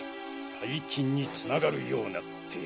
大金につながるようなって。